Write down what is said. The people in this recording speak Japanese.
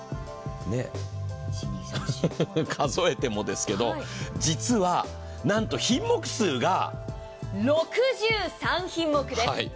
数えてもですけど、実はなんと品目数が６３品目です。